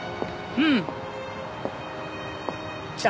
うん。